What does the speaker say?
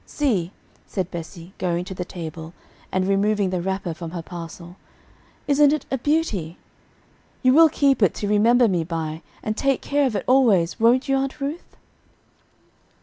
See," said Bessie, going to the table and removing the wrapper from her parcel, "isn't it a beauty? You will keep it to remember me by, and take care of it always, won't you, Aunt Ruth?"